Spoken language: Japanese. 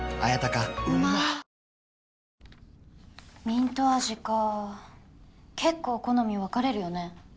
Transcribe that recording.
ミント味か結構好み分かれるよね？